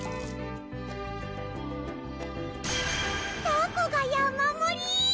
たこが山盛り